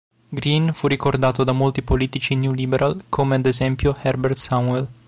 Green fu ricordato da molti politici "New Liberal", come ad esempio Herbert Samuel.